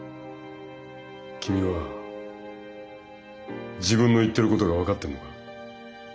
君は自分の言ってることが分かってるのか？